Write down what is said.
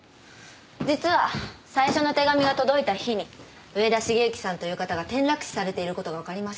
実は最初の手紙が届いた日に上田重之さんという方が転落死されていることが分かりました。